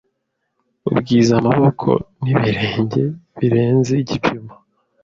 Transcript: Ubwiza amaboko nibirenge birenze Igipimo